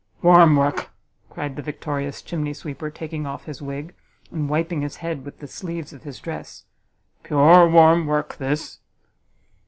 "Warm work!" cried the victorious chimney sweeper, taking off his wig, and wiping his head with the sleeves of his dress, "pure warm work this!"